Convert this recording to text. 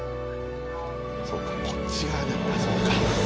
そっかこっち側なんだそうか。